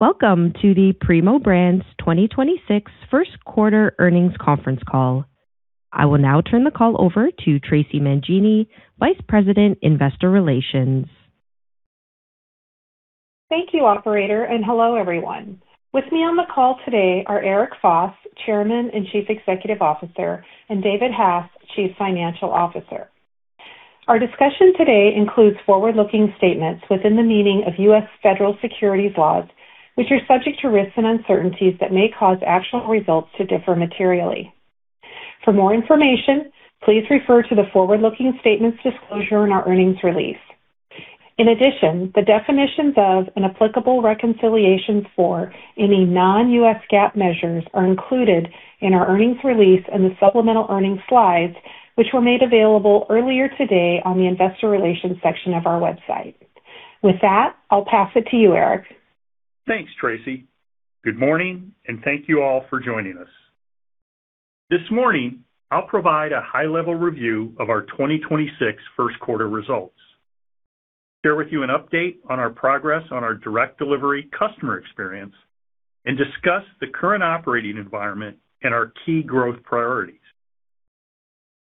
Welcome to the Primo Brands 2026 first quarter earnings conference call. I will now turn the call over to Traci Mangini, Vice President, Investor Relations. Thank you, operator, and hello, everyone. With me on the call today are Eric Foss, Chairman and Chief Executive Officer, and David Hass, Chief Financial Officer. Our discussion today includes forward-looking statements within the meaning of U.S. federal securities laws, which are subject to risks and uncertainties that may cause actual results to differ materially. For more information, please refer to the forward-looking statements disclosure in our earnings release. In addition, the definitions of and applicable reconciliations for any non-U.S. GAAP measures are included in our earnings release and the supplemental earnings slides, which were made available earlier today on the investor relations section of our website. With that, I'll pass it to you, Eric. Thanks, Traci. Good morning, and thank you all for joining us. This morning, I'll provide a high-level review of our 2026 first quarter results, share with you an update on our progress on our direct delivery customer experience, and discuss the current operating environment and our key growth priorities.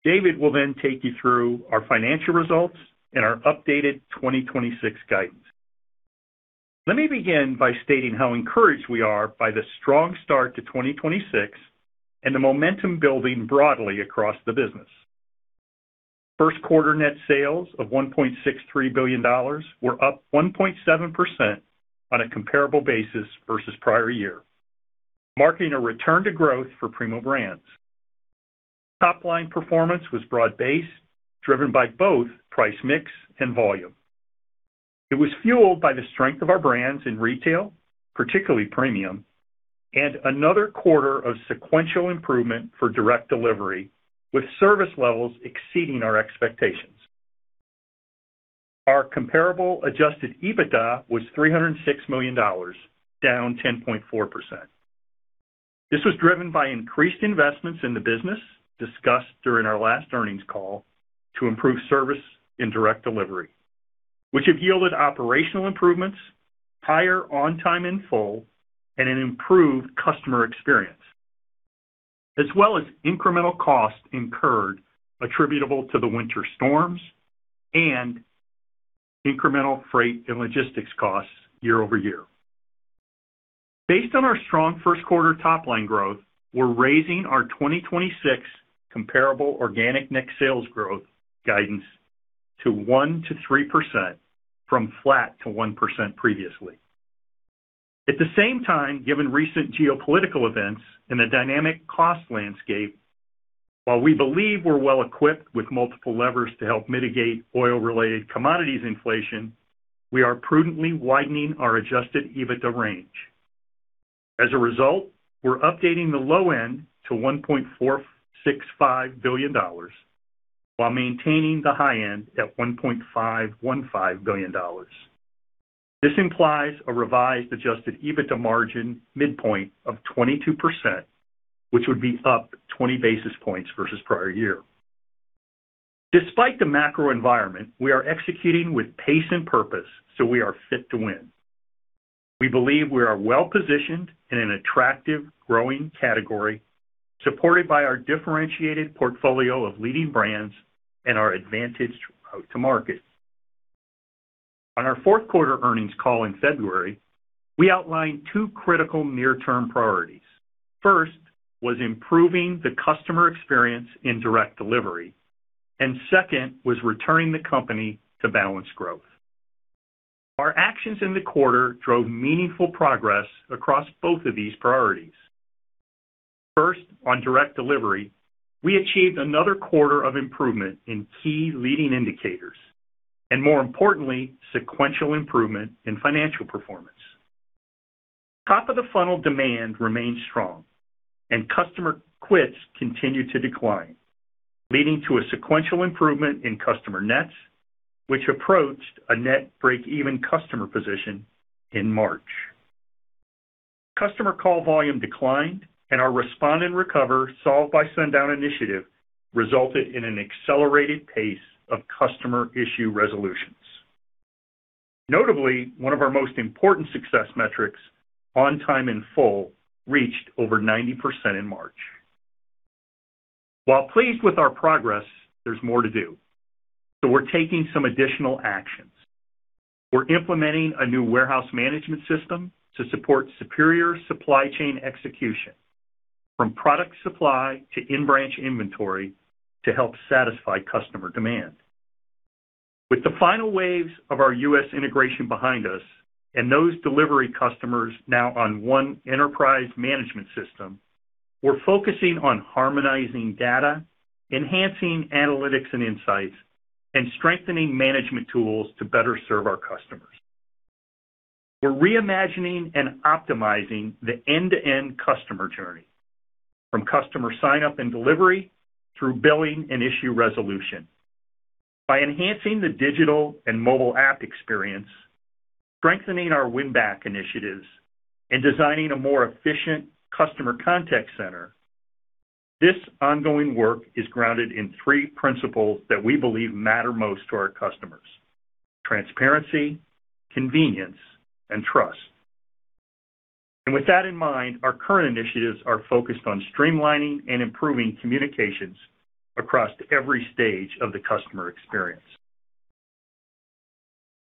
David will then take you through our financial results and our updated 2026 guidance. Let me begin by stating how encouraged we are by the strong start to 2026 and the momentum building broadly across the business. First quarter net sales of $1.63 billion were up 1.7% on a comparable basis versus prior year, marking a return to growth for Primo Brands. Topline performance was broad-based, driven by both price mix and volume. It was fueled by the strength of our brands in retail, particularly premium, and another quarter of sequential improvement for direct delivery, with service levels exceeding our expectations. Our comparable adjusted EBITDA was $306 million, down 10.4%. This was driven by increased investments in the business discussed during our last earnings call to improve service in direct delivery, which have yielded operational improvements, higher on time in full, and an improved customer experience, as well as incremental costs incurred attributable to the winter storms and incremental freight and logistics costs year-over-year. Based on our strong first quarter top-line growth, we're raising our 2026 comparable organic net sales growth guidance to 1%-3% from flat to 1% previously. At the same time, given recent geopolitical events and the dynamic cost landscape, while we believe we're well equipped with multiple levers to help mitigate oil-related commodities inflation, we are prudently widening our adjusted EBITDA range. As a result, we're updating the low end to $1.465 billion while maintaining the high end at $1.515 billion. This implies a revised adjusted EBITDA margin midpoint of 22%, which would be up 20 basis points versus prior year. Despite the macro environment, we are executing with pace and purpose, so we are fit to win. We believe we are well-positioned in an attractive growing category, supported by our differentiated portfolio of leading brands and our advantage to market. On our fourth quarter earnings call in February, we outlined two critical near-term priorities. First, was improving the customer experience in direct delivery. Second, was returning the company to balanced growth. Our actions in the quarter drove meaningful progress across both of these priorities. First, on direct delivery, we achieved another quarter of improvement in key leading indicators and, more importantly, sequential improvement in financial performance. Top of the funnel demand remains strong and customer quits continued to decline, leading to a sequential improvement in customer nets, which approached a net breakeven customer position in March. Customer call volume declined. Our Respond and Recover Solve by Sundown initiative resulted in an accelerated pace of customer issue resolutions. Notably, one of our most important success metrics, On Time In Full, reached over 90% in March. While pleased with our progress, there is more to do. We are taking some additional actions. We're implementing a new warehouse management system to support superior supply chain execution from product supply to in-branch inventory to help satisfy customer demand. With the final waves of our U.S. integration behind us and those delivery customers now on one enterprise management system, we're focusing on harmonizing data, enhancing analytics and insights, and strengthening management tools to better serve our customers. We're reimagining and optimizing the end-to-end customer journey from customer sign-up and delivery through billing and issue resolution. By enhancing the digital and mobile app experience, strengthening our win-back initiatives, and designing a more efficient customer contact center. This ongoing work is grounded in three principles that we believe matter most to our customers: transparency, convenience, and trust. With that in mind, our current initiatives are focused on streamlining and improving communications across every stage of the customer experience.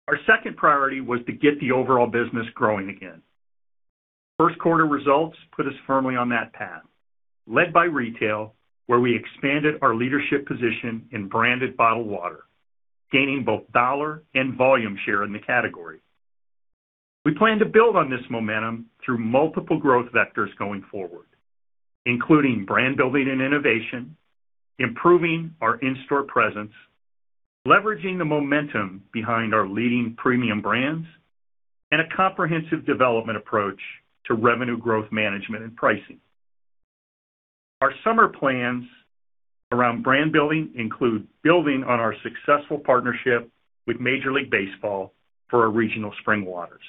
Our second priority was to get the overall business growing again. First quarter results put us firmly on that path, led by retail, where we expanded our leadership position in branded bottled water, gaining both dollar and volume share in the category. We plan to build on this momentum through multiple growth vectors going forward, including brand building and innovation, improving our in-store presence, leveraging the momentum behind our leading premium brands, and a comprehensive development approach to revenue growth management and pricing. Our summer plans around brand building include building on our successful partnership with Major League Baseball for our regional spring waters.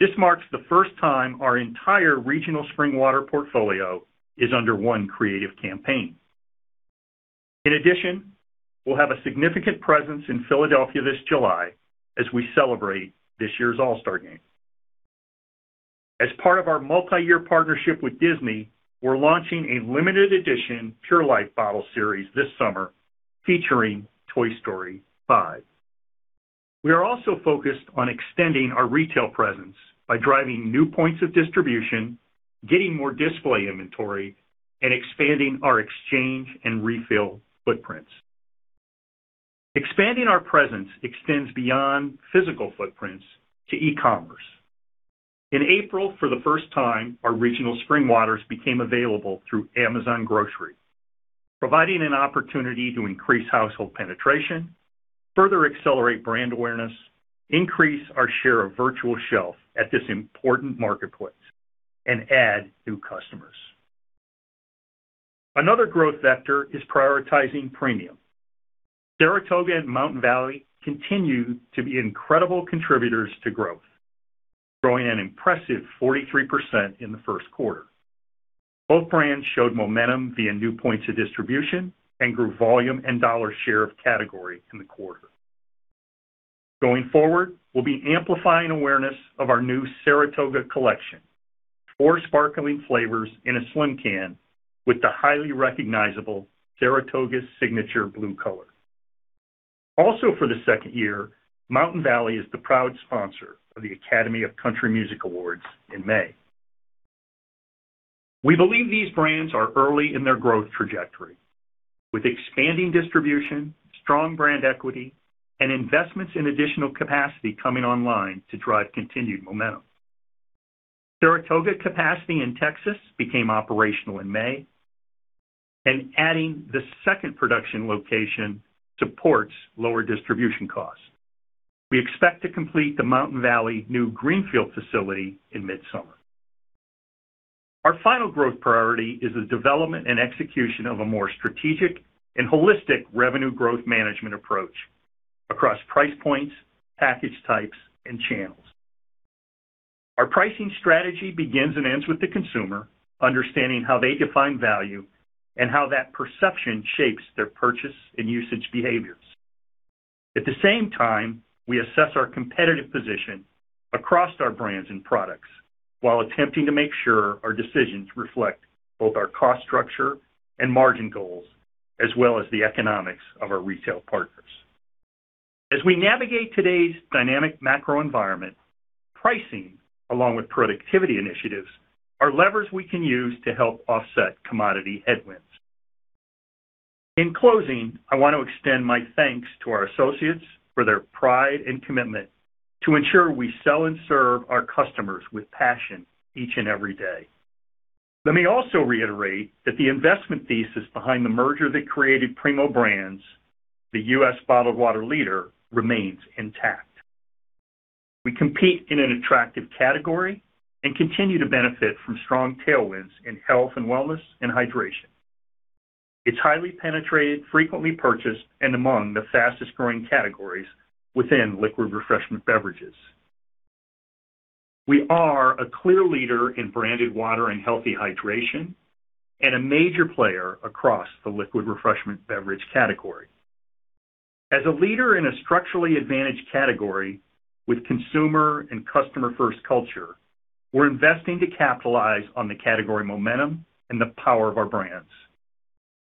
This marks the first time our entire regional spring water portfolio is under one creative campaign. In addition, we'll have a significant presence in Philadelphia this July as we celebrate this year's All-Star Game. As part of our multi-year partnership with Disney, we're launching a limited edition Pure Life bottle series this summer featuring Toy Story 5. We are also focused on extending our retail presence by driving new points of distribution, getting more display inventory, and expanding our exchange and refill footprints. Expanding our presence extends beyond physical footprints to e-commerce. In April, for the first time, our regional spring waters became available through Amazon Grocery, providing an opportunity to increase household penetration, further accelerate brand awareness, increase our share of virtual shelf at this important marketplace, and add new customers. Another growth vector is prioritizing premium. Saratoga and Mountain Valley continue to be incredible contributors to growth, growing an impressive 43% in the first quarter. Both brands showed momentum via new points of distribution and grew volume and dollar share of category in the quarter. Going forward, we'll be amplifying awareness of our new Saratoga Collection, four sparkling flavors in a slim can with the highly recognizable Saratoga signature blue color. Also for the second year, Mountain Valley is the proud sponsor of the Academy of Country Music Awards in May. We believe these brands are early in their growth trajectory, with expanding distribution, strong brand equity, and investments in additional capacity coming online to drive continued momentum. Saratoga capacity in Texas became operational in May, and adding the second production location supports lower distribution costs. We expect to complete the Mountain Valley new greenfield facility in mid-summer. Our final growth priority is the development and execution of a more strategic and holistic revenue growth management approach across price points, package types, and channels. Our pricing strategy begins and ends with the consumer, understanding how they define value and how that perception shapes their purchase and usage behaviors. At the same time, we assess our competitive position across our brands and products while attempting to make sure our decisions reflect both our cost structure and margin goals, as well as the economics of our retail partners. As we navigate today's dynamic macro environment, pricing, along with productivity initiatives, are levers we can use to help offset commodity headwinds. In closing, I want to extend my thanks to our associates for their pride and commitment to ensure we sell and serve our customers with passion each and every day. Let me also reiterate that the investment thesis behind the merger that created Primo Brands, the U.S. bottled water leader, remains intact. We compete in an attractive category and continue to benefit from strong tailwinds in health and wellness and hydration. It's highly penetrated, frequently purchased, and among the fastest-growing categories within liquid refreshment beverages. We are a clear leader in branded water and healthy hydration and a major player across the liquid refreshment beverage category. As a leader in a structurally advantaged category with consumer and customer-first culture, we're investing to capitalize on the category momentum and the power of our brands.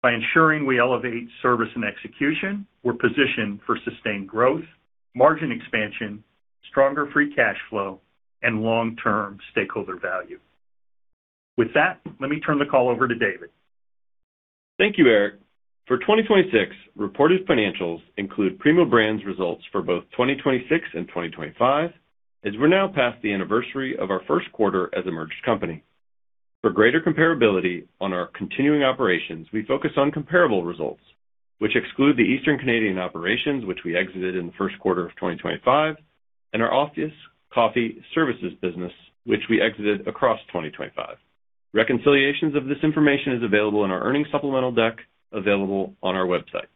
By ensuring we elevate service and execution, we're positioned for sustained growth, margin expansion, stronger free cash flow, and long-term stakeholder value. With that, let me turn the call over to David. Thank you, Eric. For 2026, reported financials include Primo Brands results for both 2026 and 2025, as we're now past the anniversary of our first quarter as a merged company. For greater comparability on our continuing operations, we focus on comparable results, which exclude the Eastern Canadian operations, which we exited in the first quarter of 2025, and our Office Coffee Services business, which we exited across 2025. Reconciliations of this information is available in our earnings supplemental deck available on our website.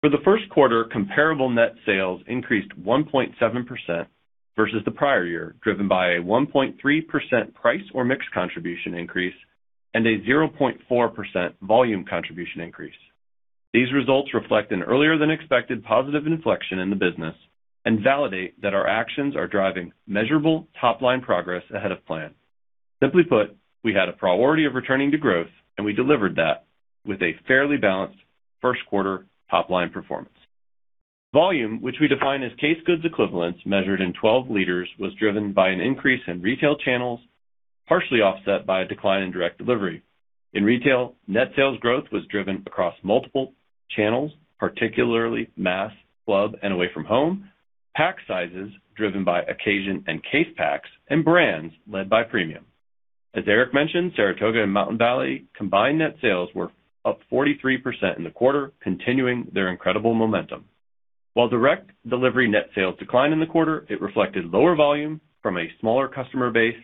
For the first quarter, comparable net sales increased 1.7% versus the prior year, driven by a 1.3% price or mix contribution increase and a 0.4% volume contribution increase. These results reflect an earlier than expected positive inflection in the business and validate that our actions are driving measurable top-line progress ahead of plan. Simply put, we had a priority of returning to growth, and we delivered that with a fairly balanced first quarter top-line performance. Volume, which we define as case goods equivalents measured in 12 liters, was driven by an increase in retail channels, partially offset by a decline in direct delivery. In retail, net sales growth was driven across multiple channels, particularly mass, club, and away from home, pack sizes driven by occasion and case packs, and brands led by premium. As Eric mentioned, Saratoga and Mountain Valley combined net sales were up 43% in the quarter, continuing their incredible momentum. While direct delivery net sales declined in the quarter, it reflected lower volume from a smaller customer base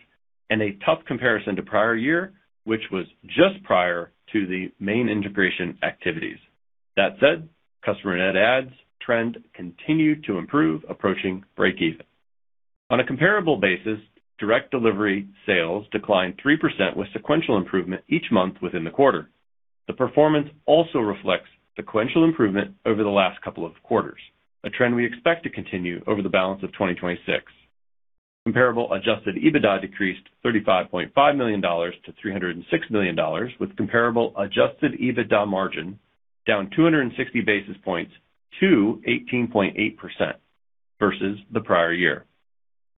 and a tough comparison to prior year, which was just prior to the main integration activities. That said, customer net adds trend continued to improve, approaching breakeven. On a comparable basis, direct delivery sales declined 3% with sequential improvement each month within the quarter. The performance also reflects sequential improvement over the last couple of quarters, a trend we expect to continue over the balance of 2026. Comparable adjusted EBITDA decreased $35.5 million-$306 million, with comparable adjusted EBITDA margin down 260 basis points to 18.8% versus the prior year.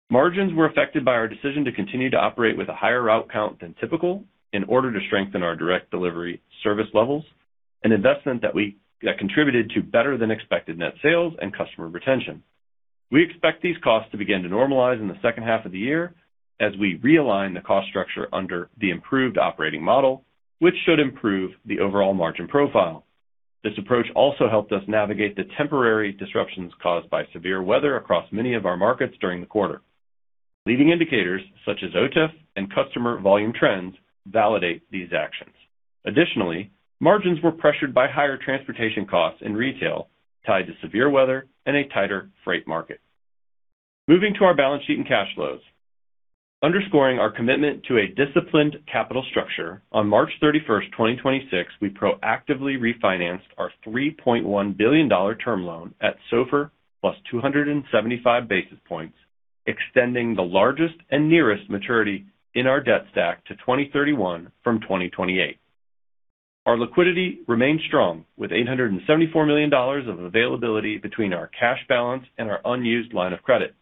Margins were affected by our decision to continue to operate with a higher route count than typical in order to strengthen our direct delivery service levels, an investment that contributed to better than expected net sales and customer retention. We expect these costs to begin to normalize in the second half of the year as we realign the cost structure under the improved operating model, which should improve the overall margin profile. This approach also helped us navigate the temporary disruptions caused by severe weather across many of our markets during the quarter. Leading indicators such as OTIF and customer volume trends validate these actions. Additionally, margins were pressured by higher transportation costs in retail tied to severe weather and a tighter freight market. Moving to our balance sheet and cash flows. Underscoring our commitment to a disciplined capital structure, on March 31st, 2026, we proactively refinanced our $3.1 billion term loan at SOFR plus 275 basis points, extending the largest and nearest maturity in our debt stack to 2031 from 2028. Our liquidity remains strong, with $874 million of availability between our cash balance and our unused line of credit.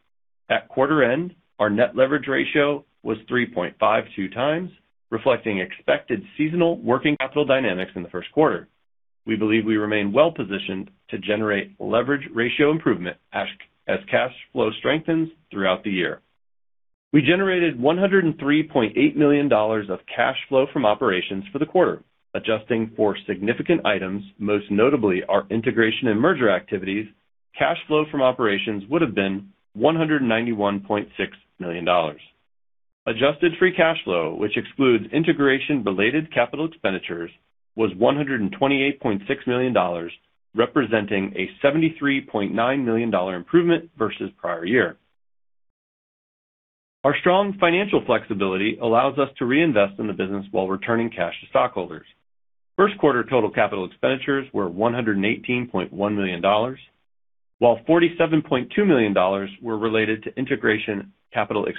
At quarter end, our net leverage ratio was 3.52x, reflecting expected seasonal working capital dynamics in the first quarter. We believe we remain well-positioned to generate leverage ratio improvement as cash flow strengthens throughout the year. We generated $103.8 million of cash flow from operations for the quarter. Adjusting for significant items, most notably our integration and merger activities, cash flow from operations would have been $191.6 million. Adjusted free cash flow, which excludes integration-related capital expenditures, was $128.6 million, representing a $73.9 million improvement versus prior year. Our strong financial flexibility allows us to reinvest in the business while returning cash to stockholders. First quarter total CapEx were $118.1 million, while $47.2 million were related to integration CapEx.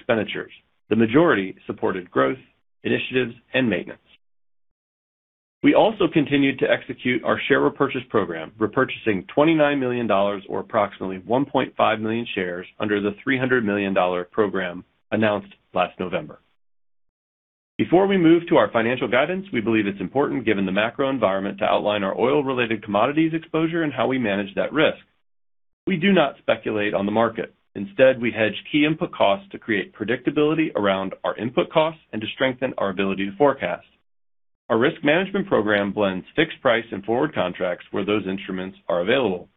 The majority supported growth, initiatives, and maintenance. We also continued to execute our share repurchase program, repurchasing $29 million or approximately 1.5 million shares under the $300 million program announced last November. Before we move to our financial guidance, we believe it's important, given the macro environment, to outline our oil-related commodities exposure and how we manage that risk. We do not speculate on the market. Instead, we hedge key input costs to create predictability around our input costs and to strengthen our ability to forecast. Our risk management program blends fixed price and forward contracts where those instruments are available.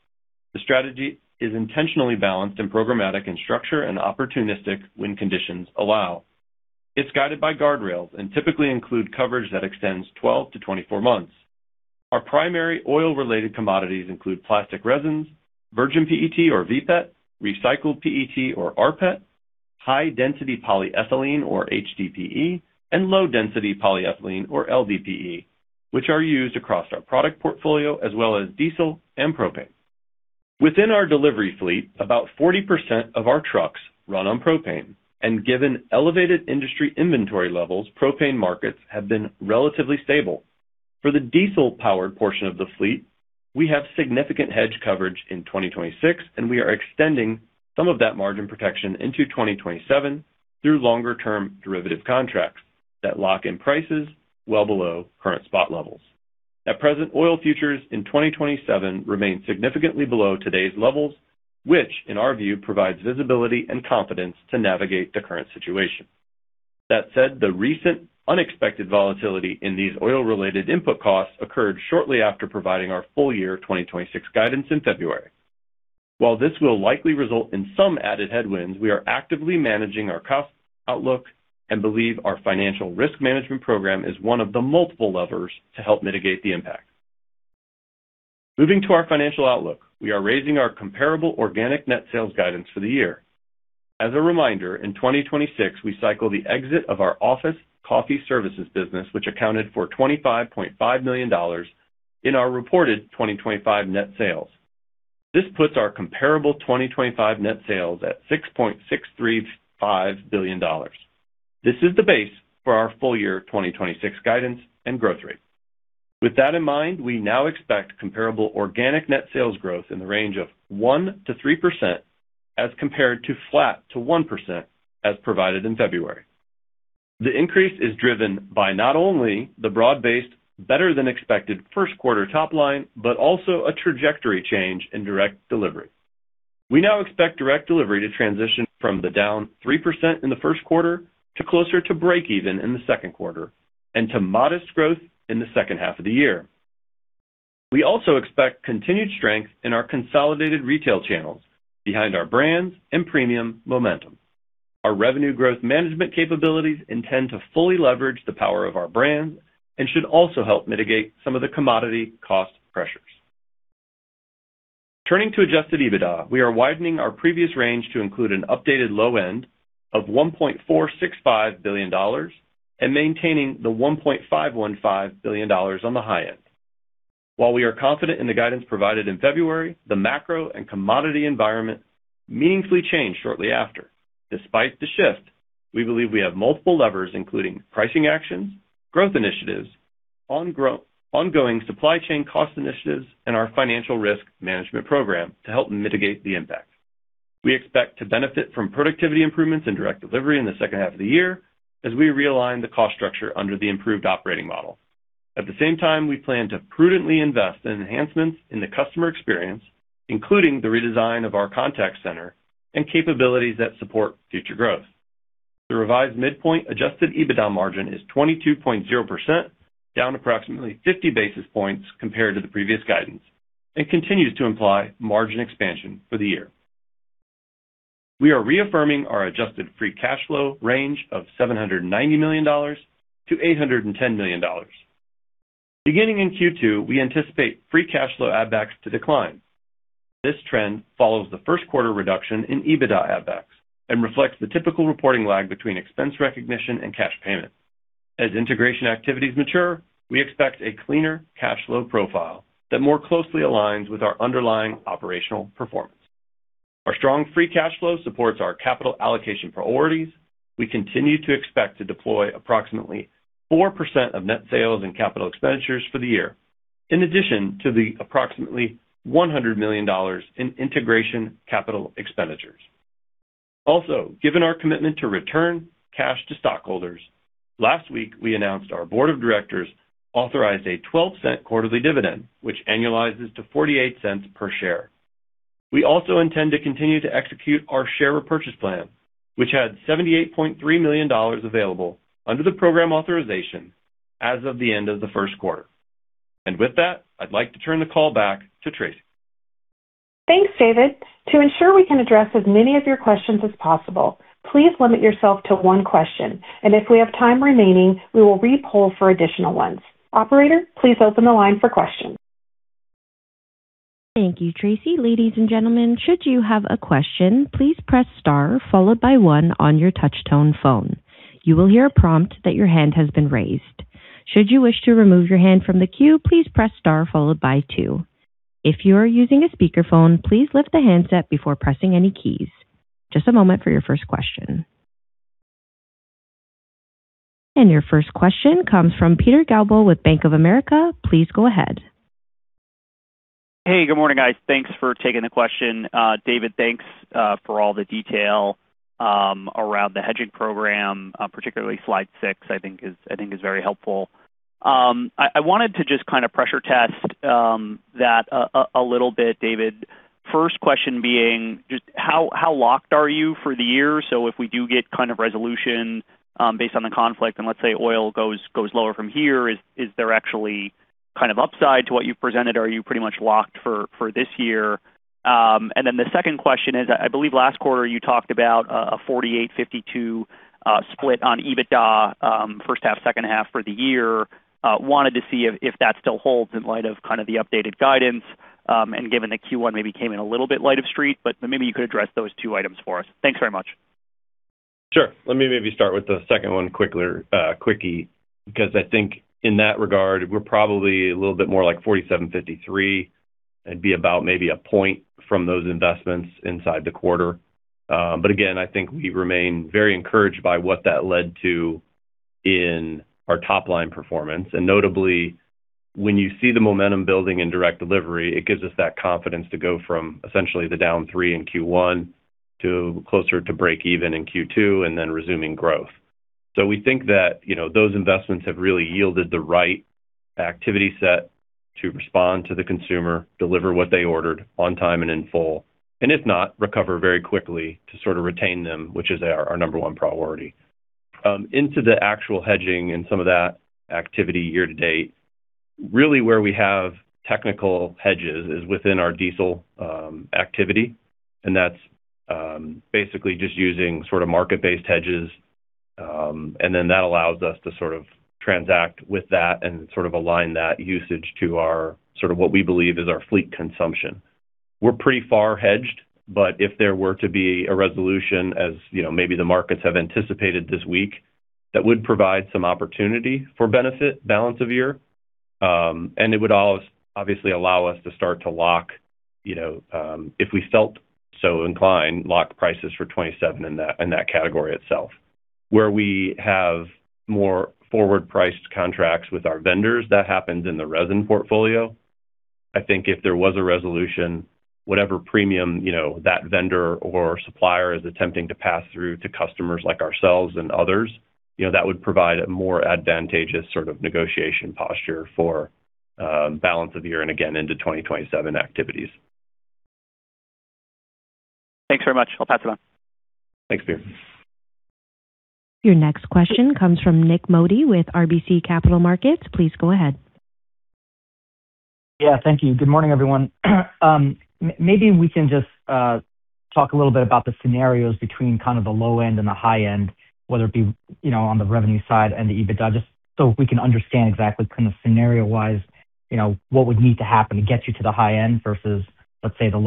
The strategy is intentionally balanced and programmatic in structure and opportunistic when conditions allow. It's guided by guardrails and typically include coverage that extends 12-24 months. Our primary oil-related commodities include plastic resins, virgin PET or vPET, recycled PET or rPET, high-density polyethylene or HDPE, and low-density polyethylene or LDPE, which are used across our product portfolio, as well as diesel and propane. Within our delivery fleet, about 40% of our trucks run on propane, and given elevated industry inventory levels, propane markets have been relatively stable. For the diesel-powered portion of the fleet, we have significant hedge coverage in 2026, and we are extending some of that margin protection into 2027 through longer-term derivative contracts that lock in prices well below current spot levels. At present, oil futures in 2027 remain significantly below today's levels, which, in our view, provides visibility and confidence to navigate the current situation. That said, the recent unexpected volatility in these oil-related input costs occurred shortly after providing our full year 2026 guidance in February. While this will likely result in some added headwinds, we are actively managing our cost outlook and believe our financial risk management program is one of the multiple levers to help mitigate the impact. Moving to our financial outlook, we are raising our comparable organic net sales guidance for the year. As a reminder, in 2026, we cycle the exit of our Office Coffee Services business, which accounted for $25.5 million in our reported 2025 net sales. This puts our comparable 2025 net sales at $6.635 billion. This is the base for our full year 2026 guidance and growth rate. With that in mind, we now expect comparable organic net sales growth in the range of 1%-3% as compared to flat to 1% as provided in February. The increase is driven by not only the broad-based, better-than-expected first quarter top line, but also a trajectory change in direct delivery. We now expect direct delivery to transition from the down 3% in the first quarter to closer to breakeven in the second quarter and to modest growth in the second half of the year. We also expect continued strength in our consolidated retail channels behind our brands and premium momentum. Our revenue growth management capabilities intend to fully leverage the power of our brands and should also help mitigate some of the commodity cost pressures. Turning to adjusted EBITDA, we are widening our previous range to include an updated low-end of $1.465 billion and maintaining the $1.515 billion on the high-end. While we are confident in the guidance provided in February, the macro and commodity environment meaningfully changed shortly after. Despite the shift, we believe we have multiple levers, including pricing actions, growth initiatives, ongoing supply chain cost initiatives, and our financial risk management program to help mitigate the impact. We expect to benefit from productivity improvements in direct delivery in the second half of the year as we realign the cost structure under the improved operating model. At the same time, we plan to prudently invest in enhancements in the customer experience, including the redesign of our contact center and capabilities that support future growth. The revised midpoint adjusted EBITDA margin is 22.0%, down approximately 50 basis points compared to the previous guidance and continues to imply margin expansion for the year. We are reaffirming our adjusted free cash flow range of $790 million-$810 million. Beginning in Q2, we anticipate free cash flow add backs to decline. This trend follows the first quarter reduction in EBITDA add backs and reflects the typical reporting lag between expense recognition and cash payment. As integration activities mature, we expect a cleaner cash flow profile that more closely aligns with our underlying operational performance. Our strong free cash flow supports our capital allocation priorities. We continue to expect to deploy approximately 4% of net sales and capital expenditures for the year, in addition to the approximately $100 million in integration capital expenditures. Also, given our commitment to return cash to stockholders, last week, we announced our board of directors authorized a $0.12 quarterly dividend, which annualizes to $0.48 per share. We also intend to continue to execute our share repurchase plan, which had $78.3 million available under the program authorization as of the end of the first quarter. With that, I'd like to turn the call back to Traci. Thanks, David. To ensure we can address as many of your questions as possible, please limit yourself to one question, and if we have time remaining, we will re-poll for additional ones. Operator, please open the line for questions. Thank you, Traci. Ladies and gentlemen, should you have a question, please press star followed by one on your touchtone phone. You will hear a prompt that your hand has been raised. Should you wish to remove your hand from the queue, please press star followed by two. If you are using a speaker phone, please let the handset before pressing the keys. Just a moment for your first question. Your first question comes from Peter Galbo with Bank of America. Please go ahead. Hey, good morning, guys. Thanks for taking the question. David, thanks for all the detail around the hedging program, particularly slide 6, I think is very helpful. I wanted to just kind of pressure test that a little bit, David. First question being just how locked are you for the year? If we do get kind of resolution based on the conflict, and let's say oil goes lower from here, is there actually kind of upside to what you've presented? Are you pretty much locked for this year? The second question is, I believe last quarter you talked about a 48-52 split on EBITDA, first half, second half for the year. Wanted to see if that still holds in light of kind of the updated guidance, and given that Q1 maybe came in a little bit light of street, but maybe you could address those two items for us. Thanks very much. Sure. Let me maybe start with the second one quicker, quickie. I think in that regard, we're probably a little bit more like 47-53. It'd be about maybe a point from those investments inside the quarter. Again, I think we remain very encouraged by what that led to in our top-line performance. Notably, when you see the momentum building in direct delivery, it gives us that confidence to go from essentially the down three in Q1 to closer to breakeven in Q2 and then resuming growth. We think that, you know, those investments have really yielded the right activity set to respond to the consumer, deliver what they ordered on time and in full, and if not, recover very quickly to sort of retain them, which is our number one priority. Into the actual hedging and some of that activity year to date. Really where we have technical hedges is within our diesel, activity, and that's, basically just using sort of market-based hedges. That allows us to sort of transact with that and sort of align that usage to our sort of what we believe is our fleet consumption. We're pretty far hedged, but if there were to be a resolution as, you know, maybe the markets have anticipated this week, that would provide some opportunity for benefit balance of year. It would obviously allow us to start to lock, you know, if we felt so inclined, lock prices for 27 in that, in that category itself. Where we have more forward-priced contracts with our vendors, that happens in the resin portfolio. I think if there was a resolution, whatever premium, you know, that vendor or supplier is attempting to pass through to customers like ourselves and others, you know, that would provide a more advantageous sort of negotiation posture for balance of the year and again into 2027 activities. Thanks very much. I'll pass it on. Thanks, Peter. Your next question comes from Nik Modi with RBC Capital Markets. Please go ahead. Yeah, thank you. Good morning, everyone. Maybe we can just talk a little bit about the scenarios between kind of the low end and the high end, whether it be, you know, on the revenue side and the EBITDA, just so we can understand exactly kind of scenario-wise, you know, what would need to happen to get you to the high-end versus, let's say, the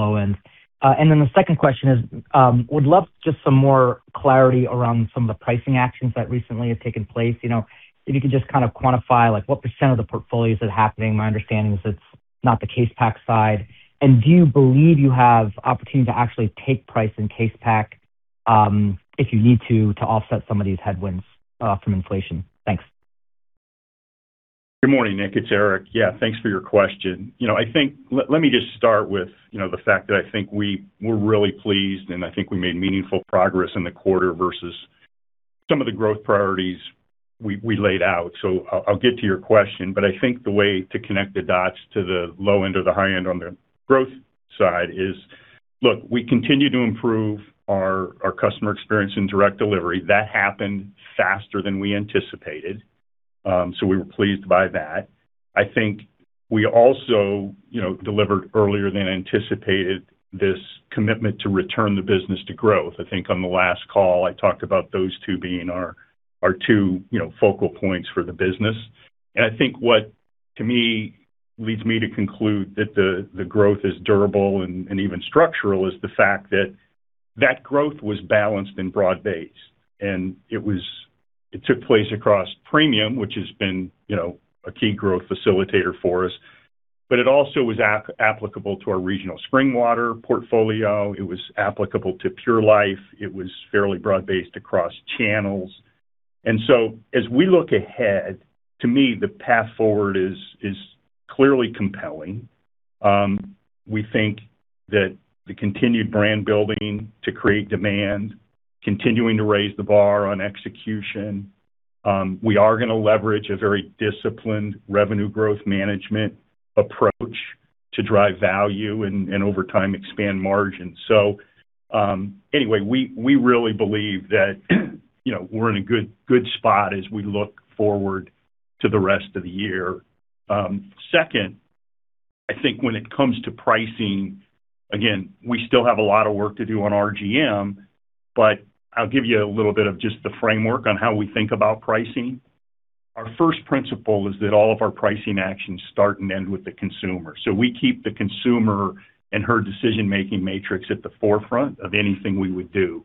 low-end. The second question is, would love just some more clarity around some of the pricing actions that recently have taken place. You know, if you could just kind of quantify, like, what percent of the portfolio is it happening? My understanding is it's not the case pack side. Do you believe you have opportunity to actually take price in case pack, if you need to offset some of these headwinds from inflation? Thanks. Good morning, Nik. It's Eric. Yeah, thanks for your question. You know, let me just start with, you know, the fact that I think we were really pleased, and I think we made meaningful progress in the quarter versus some of the growth priorities we laid out. I'll get to your question, but I think the way to connect the dots to the low-end or the high-end on the growth side is, look, we continue to improve our customer experience in direct delivery. That happened faster than we anticipated, we were pleased by that. I think we also, you know, delivered earlier than anticipated this commitment to return the business to growth. I think on the last call, I talked about those two being our two, you know, focal points for the business. I think what, to me, leads me to conclude that the growth is durable and even structural is the fact that that growth was balanced and broad-based, and it took place across premium, which has been, you know, a key growth facilitator for us. It also was applicable to our regional Spring Water portfolio. It was applicable to Pure Life. It was fairly broad-based across channels. As we look ahead, to me, the path forward is clearly compelling. We think that the continued brand building to create demand, continuing to raise the bar on execution, we are gonna leverage a very disciplined revenue growth management approach to drive value and over time expand margin. Anyway, we really believe that, you know, we're in a good spot as we look forward to the rest of the year. Second, I think when it comes to pricing, again, we still have a lot of work to do on RGM, but I'll give you a little bit of just the framework on how we think about pricing. Our first principle is that all of our pricing actions start and end with the consumer. We keep the consumer and her decision-making matrix at the forefront of anything we would do.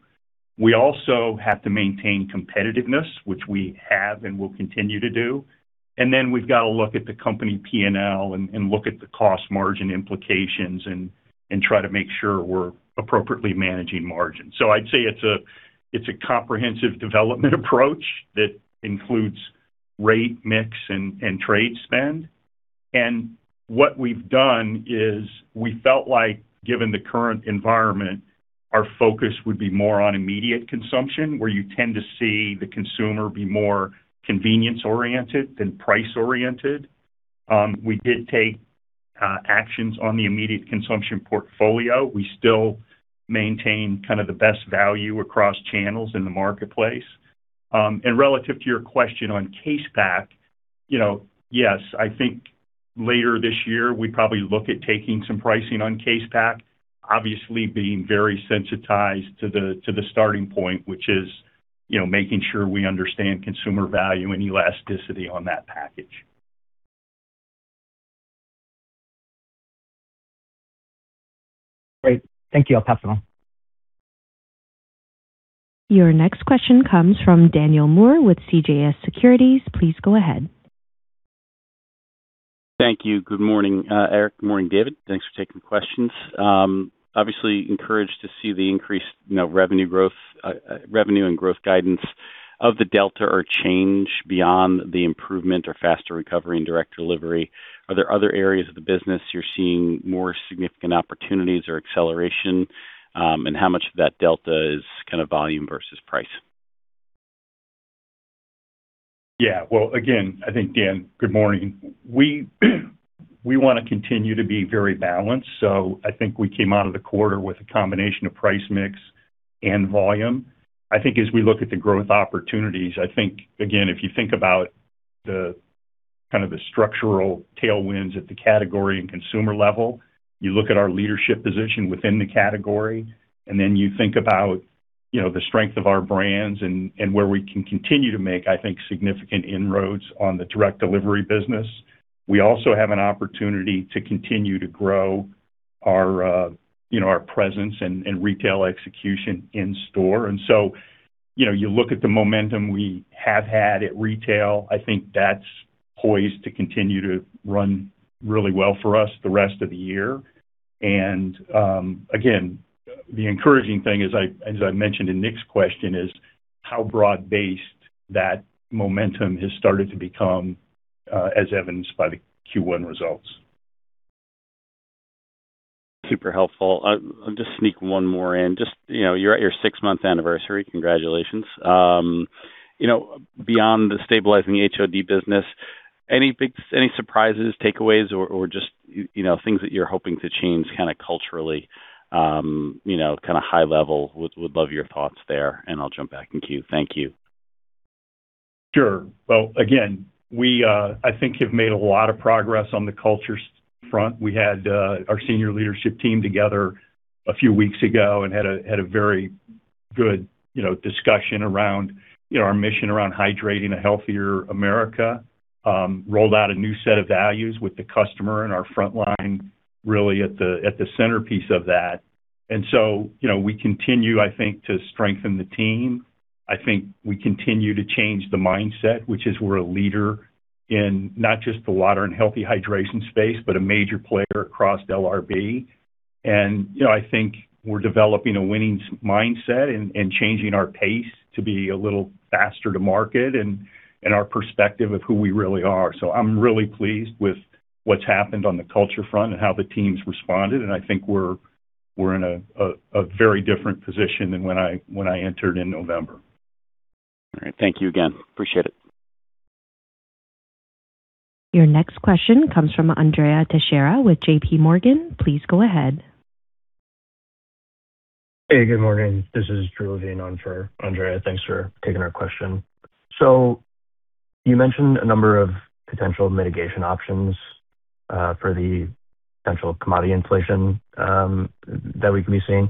We also have to maintain competitiveness, which we have and will continue to do. We've got to look at the company P&L and look at the cost margin implications and try to make sure we're appropriately managing margin. I'd say it's a comprehensive development approach that includes rate mix and trade spend. What we've done is we felt like given the current environment, our focus would be more on immediate consumption, where you tend to see the consumer be more convenience-oriented than price-oriented. We did take actions on the immediate consumption portfolio. We still maintain kind of the best value across channels in the marketplace. Relative to your question on case pack, you know, yes, I think later this year we probably look at taking some pricing on case pack, obviously being very sensitized to the starting point, which is, you know, making sure we understand consumer value and elasticity on that package. Great. Thank you. I'll pass it on. Your next question comes from Daniel Moore with CJS Securities. Please go ahead. Thank you. Good morning, Eric. Good morning, David. Thanks for taking questions. Obviously encouraged to see the increased, you know, revenue growth, revenue and growth guidance of the delta or change beyond the improvement or faster recovery in direct delivery. Are there other areas of the business you're seeing more significant opportunities or acceleration? How much of that delta is kind of volume versus price? Yeah. Well, again, I think, Dan, good morning. We want to continue to be very balanced. I think we came out of the quarter with a combination of price mix and volume. As we look at the growth opportunities, again, if you think about the kind of the structural tailwinds at the category and consumer level, you look at our leadership position within the category, and then you think about, you know, the strength of our brands and where we can continue to make, I think, significant inroads on the direct delivery business. We also have an opportunity to continue to grow our, you know, our presence and retail execution in store. You know, you look at the momentum we have had at retail, I think that's poised to continue to run really well for us the rest of the year. Again, the encouraging thing is, as I mentioned in Nik's question, is how broad-based that momentum has started to become, as evidenced by the Q1 results. Super helpful. I'll just sneak one more in. Just, you know, you're at your six-month anniversary. Congratulations. You know, beyond the stabilizing the HOD business, any surprises, takeaways or just, you know, things that you're hoping to change kind of culturally, you know, kind of high level? Would love your thoughts there. I'll jump back in queue. Thank you. Sure. Again, we I think have made a lot of progress on the culture front. We had our senior leadership team together a few weeks ago and had a very good, you know, discussion around, you know, our mission around hydrating a healthier America. We rolled out a new set of values with the customer and our front line really at the centerpiece of that. You know, we continue, I think, to strengthen the team. I think we continue to change the mindset, which is we're a leader in not just the water and healthy hydration space, but a major player across LRB. You know, I think we're developing a winning mindset and changing our pace to be a little faster to market and our perspective of who we really are. I'm really pleased with what's happened on the culture front and how the team's responded, and I think we're in a very different position than when I entered in November. All right. Thank you again. Appreciate it. Your next question comes from Andrea Teixeira with JPMorgan. Please go ahead. Hey, good morning. This is Drew Levine on for Andrea. Thanks for taking our question. You mentioned a number of potential mitigation options for the potential commodity inflation that we could be seeing,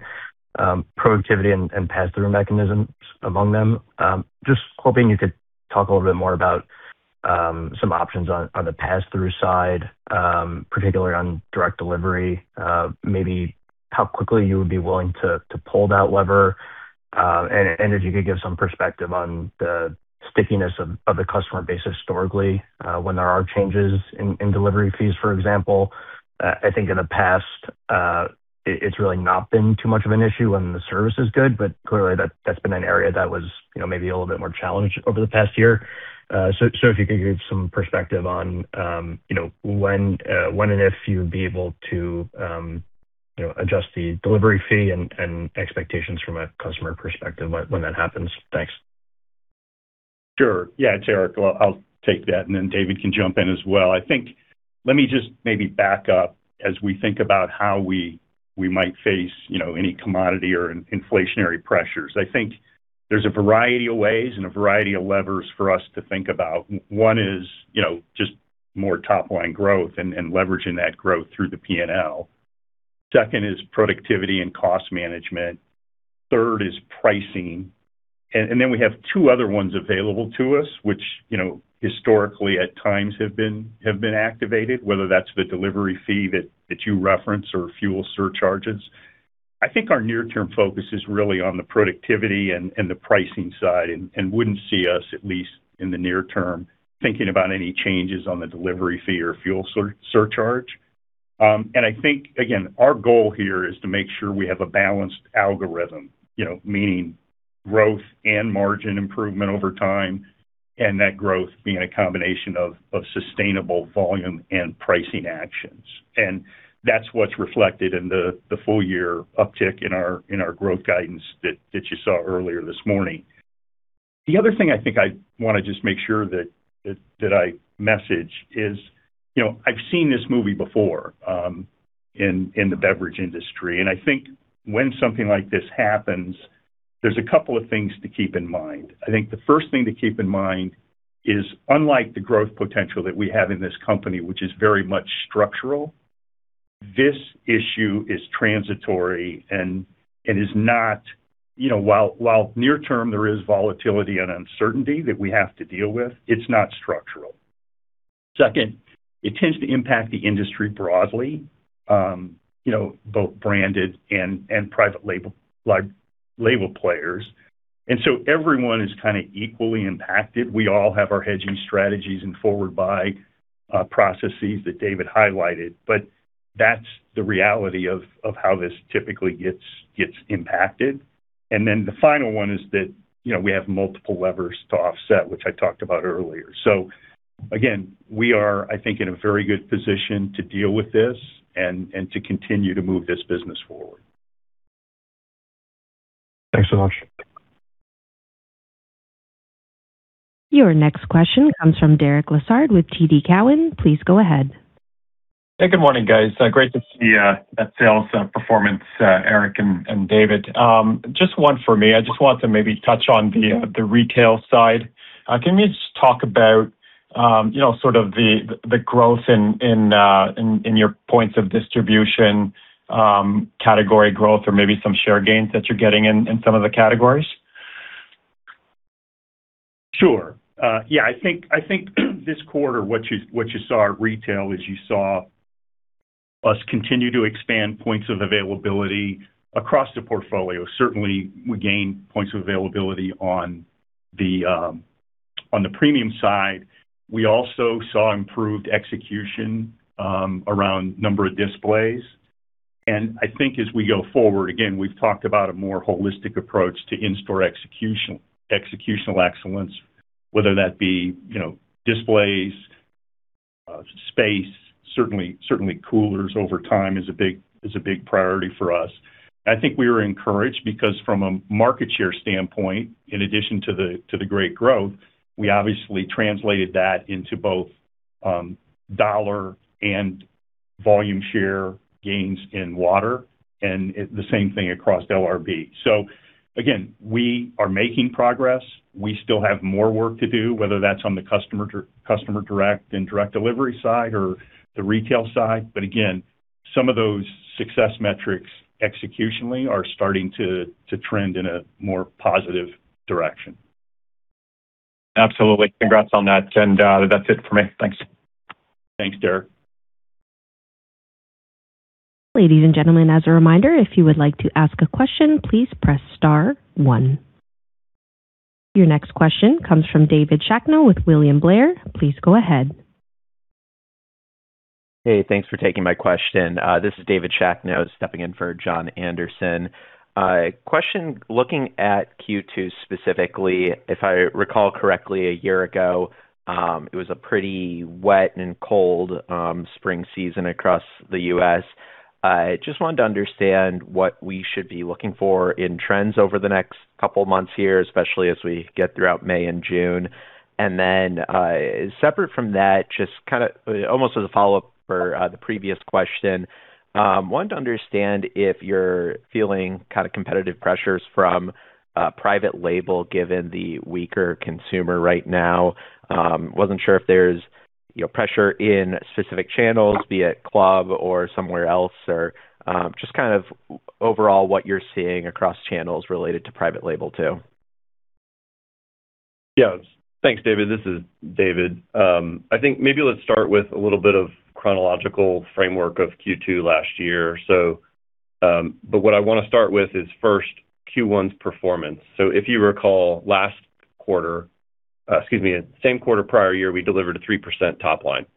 productivity and pass-through mechanisms among them. Just hoping you could talk a little bit more about some options on the pass-through side, particularly on direct delivery, maybe how quickly you would be willing to pull that lever. And if you could give some perspective on the stickiness of the customer base historically when there are changes in delivery fees, for example. I think in the past, it's really not been too much of an issue when the service is good, but clearly that's been an area that was, you know, maybe a little bit more challenged over the past year. If you could give some perspective on, you know, when and if you would be able to, you know, adjust the delivery fee and expectations from a customer perspective when that happens. Thanks. Sure. Yeah, it's Eric. Well, I'll take that, and then David can jump in as well. I think let me just maybe back up as we think about how we might face, you know, any commodity or inflationary pressures. I think there's a variety of ways and a variety of levers for us to think about. One is, you know, just more top-line growth and leveraging that growth through the P&L. Second, is productivity and cost management. Third is pricing. Then we have two other ones available to us, which, you know, historically at times have been activated, whether that's the delivery fee that you referenced or fuel surcharges. I think our near-term focus is really on the productivity and the pricing side and wouldn't see us, at least in the near term, thinking about any changes on the delivery fee or fuel surcharge. I think, again, our goal here is to make sure we have a balanced algorithm, you know, meaning growth and margin improvement over time, and that growth being a combination of sustainable volume and pricing actions. That's what's reflected in the full year uptick in our growth guidance that you saw earlier this morning. The other thing I think I wanna just make sure that I message is, you know, I've seen this movie before, in the beverage industry. I think when something like this happens, there's a couple of things to keep in mind. I think the first thing to keep in mind is, unlike the growth potential that we have in this company, which is very much structural, this issue is transitory and is not-- You know, while near term there is volatility and uncertainty that we have to deal with, it's not structural. Second, it tends to impact the industry broadly, you know, both branded and private label players. Everyone is kind of equally impacted. We all have our hedging strategies and forward buy processes that David highlighted. That's the reality of how this typically gets impacted. The final one is that, you know, we have multiple levers to offset, which I talked about earlier. Again, we are, I think, in a very good position to deal with this and to continue to move this business forward. Thanks so much. Your next question comes from Derek Lessard with TD Cowen. Please go ahead. Hey, good morning, guys. Great to see that sales performance, Eric and David. Just one for me. I just want to maybe touch on the retail side. Can you just talk about, you know, sort of the growth in your points of distribution, category growth or maybe some share gains that you're getting in some of the categories? Sure. Yeah, I think this quarter what you saw at retail is you saw us continue to expand points of availability across the portfolio. Certainly we gained points of availability on the premium side. We also saw improved execution around number of displays. I think as we go forward, again, we've talked about a more holistic approach to in-store executional excellence, whether that be, you know, displays, space, certainly coolers over time is a big priority for us. I think we were encouraged because from a market share standpoint, in addition to the great growth, we obviously translated that into both dollar and volume share gains in water and the same thing across LRB. Again, we are making progress. We still have more work to do, whether that's on the customer direct and direct delivery side or the retail side. Again, some of those success metrics executionally are starting to trend in a more positive direction. Absolutely. Congrats on that. That's it for me. Thanks. Thanks, Derek. Ladies and gentlemen, as a reminder, if you would like to ask a question, please press star one. Your next question comes from David Shakno with William Blair. Please go ahead. Hey, thanks for taking my question. This is David Shakno stepping in for Jon Andersen. Question looking at Q2 specifically, if I recall correctly, a year ago, it was a pretty wet and cold spring season across the U.S. I just wanted to understand what we should be looking for in trends over the next couple of months here, especially as we get throughout May and June. Then, separate from that, just kinda, almost as a follow-up for the previous question, wanted to understand if you're feeling kind of competitive pressures from private label, given the weaker consumer right now. Wasn't sure if there's, you know, pressure in specific channels, be it club or somewhere else or, just kind of overall what you're seeing across channels related to private label too. Yeah. Thanks, David. This is David. I think maybe let's start with a little bit of chronological framework of Q2 last year. What I wanna start with is first Q1's performance. If you recall last quarter, excuse me, same quarter prior year, we delivered a 3% top line.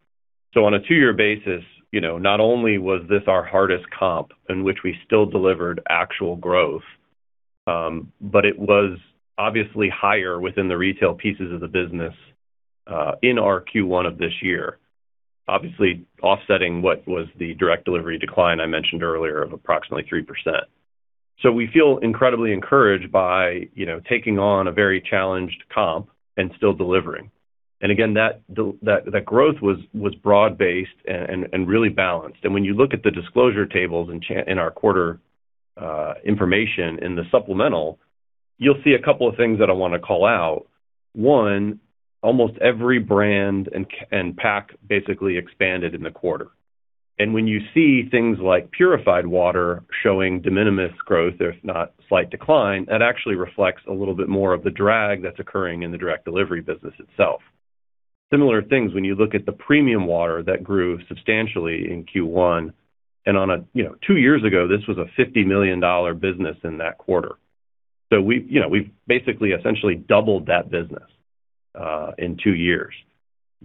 On a two-year basis, you know, not only was this our hardest comp in which we still delivered actual growth, but it was obviously higher within the retail pieces of the business, in our Q1 of this year, obviously offsetting what was the direct delivery decline I mentioned earlier of approximately 3%. We feel incredibly encouraged by, you know, taking on a very challenged comp and still delivering. Again, that growth was broad-based and really balanced. When you look at the disclosure tables in our quarter information in the supplemental, you'll see a couple of things that I want to call out. One, almost every brand and pack basically expanded in the quarter. When you see things like purified water showing de minimis growth, there's not slight decline, that actually reflects a little bit more of the drag that's occurring in the direct delivery business itself. Similar things when you look at the premium water that grew substantially in Q1. On a, you know, two years ago, this was a $50 million business in that quarter. We, you know, we've basically essentially doubled that business in two years.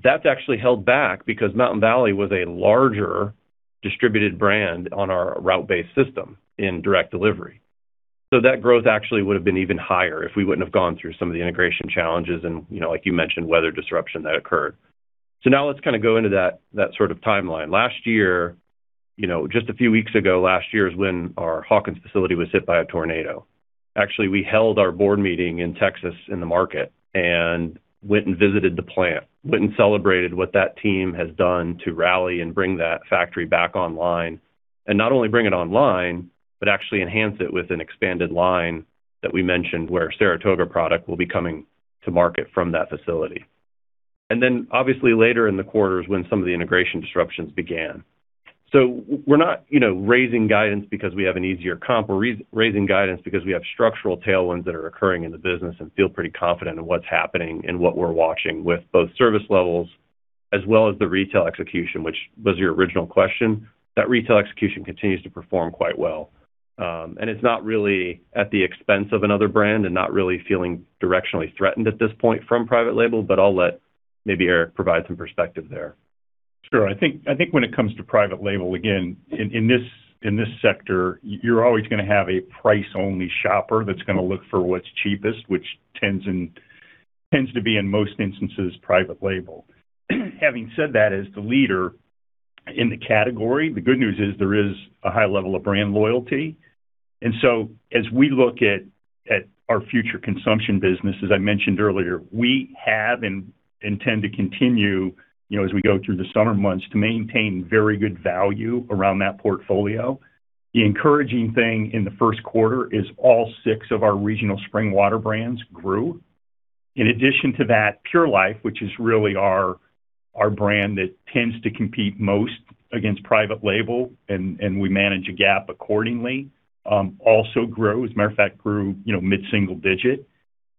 That's actually held back because Mountain Valley was a larger distributed brand on our route-based system in direct delivery. That growth actually would have been even higher if we wouldn't have gone through some of the integration challenges and, you know, like you mentioned, weather disruption that occurred. Now let's kinda go into that sort of timeline. Last year, you know, just a few weeks ago, last year is when our Hawkins facility was hit by a tornado. Actually, we held our board meeting in Texas in the market and went and visited the plant, went and celebrated what that team has done to rally and bring that factory back online. Not only bring it online, but actually enhance it with an expanded line that we mentioned where Saratoga product will be coming to market from that facility. Obviously later in the quarter is when some of the integration disruptions began. We're not, you know, raising guidance because we have an easier comp. We're raising guidance because we have structural tailwinds that are occurring in the business and feel pretty confident in what's happening and what we're watching with both service levels as well as the retail execution, which was your original question. That retail execution continues to perform quite well. And it's not really at the expense of another brand and not really feeling directionally threatened at this point from private label, but I'll let maybe Eric provide some perspective there. Sure. I think when it comes to private label, again, in this, in this sector, you're always gonna have a price-only shopper that's gonna look for what's cheapest, which tends to be, in most instances, private label. Having said that, as the leader in the category, the good news is there is a high level of brand loyalty. As we look at our future consumption business, as I mentioned earlier, we have and intend to continue, you know, as we go through the summer months, to maintain very good value around that portfolio. The encouraging thing in the first quarter is all six of our regional spring water brands grew. In addition to that, Pure Life, which is really our brand that tends to compete most against private label, and we manage a gap accordingly, also grew. As a matter of fact, grew, you know, mid-single digit.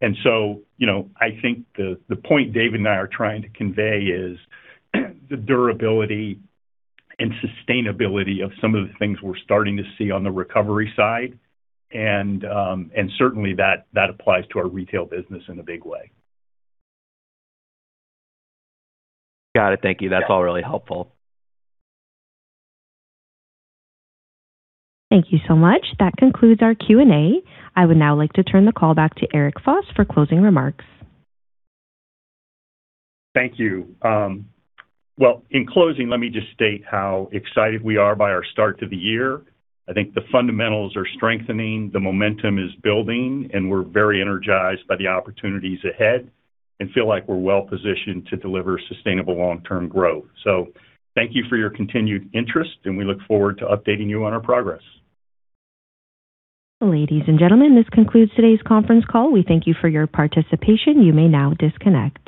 You know, I think the point David and I are trying to convey is the durability and sustainability of some of the things we're starting to see on the recovery side, and certainly that applies to our retail business in a big way. Got it. Thank you. That's all really helpful. Thank you so much. That concludes our Q&A. I would now like to turn the call back to Eric Foss for closing remarks. Thank you. Well, in closing, let me just state how excited we are by our start to the year. I think the fundamentals are strengthening, the momentum is building, and we're very energized by the opportunities ahead and feel like we're well-positioned to deliver sustainable long-term growth. Thank you for your continued interest, and we look forward to updating you on our progress. Ladies and gentlemen, this concludes today's conference call. We thank you for your participation. You may now disconnect.